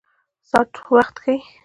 ساعت وخت ښيي